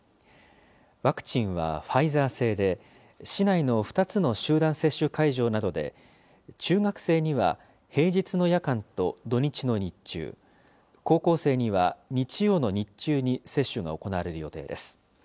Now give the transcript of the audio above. ワクチンはファイザー製で、市内の２つの集団接種会場などで、中学生には平日の夜間と土日の日中、高校生には日曜の日中に接種が行われる予定です。